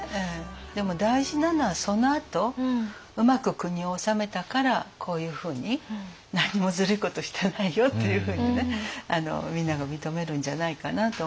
でも大事なのはそのあとうまく国を治めたからこういうふうに何もずるいことしてないよっていうふうにねみんなが認めるんじゃないかなと思います。